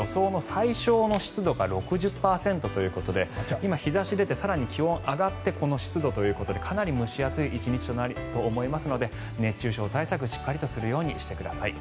最小湿度が６０％ということで今、日差しが出て気温、更に上がってこの湿度ということでかなり蒸し暑い１日になると思いますので熱中症対策しっかりとするようにしてください。